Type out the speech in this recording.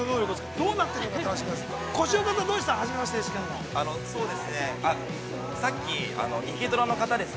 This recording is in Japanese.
◆どうなっていくのか楽しみです。